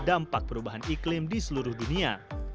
dampak perubahan iklim di seluruh dunia